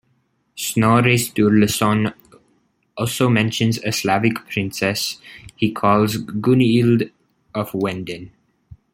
Snorre Sturlasson also mentions a Slavic princess he calls Gunhild of Wenden.